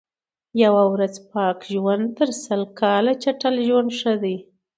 یوه ورځ پاک ژوند تر سل کال چټل ژوند ښه دئ.